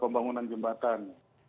dan di tengah jalan